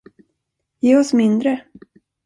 Ge oss mindre.